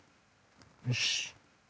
よし！